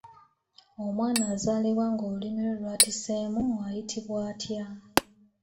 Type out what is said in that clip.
Omwana azaalibwa nga olulimi lwe lwatiseemu ayitibwa atya?